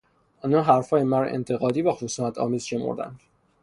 آنها حرفهای مرا انتقادی و خصومتآمیز شمردند